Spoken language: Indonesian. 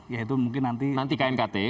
ya itu mungkin nanti knkt